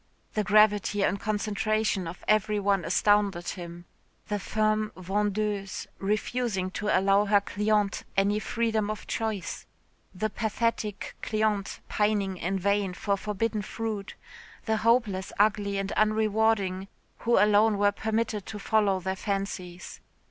The gravity and concentration of every one astounded him the firm vendeuse refusing to allow her cliente any freedom of choice. The pathetic cliente pining in vain for forbidden fruit the hopelessly ugly and unrewarding, who alone were permitted to follow their fancies.